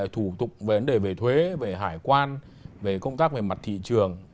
thủ tục về vấn đề về thuế về hải quan về công tác về mặt thị trường